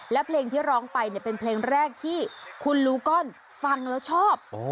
และเพลงที่ร้องไปเนี่ยเป็นเพลงแรกที่คุณลูกอนฟังแล้วชอบ